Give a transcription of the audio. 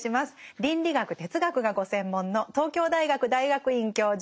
倫理学哲学がご専門の東京大学大学院教授山本芳久さんです。